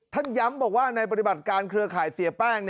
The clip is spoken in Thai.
ย้ำบอกว่าในปฏิบัติการเครือข่ายเสียแป้ง